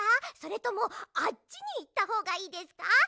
それともあっちにいったほうがいいですか？